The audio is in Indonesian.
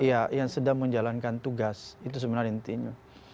iya yang sedang menjalankan tugas itu sebenarnya intinya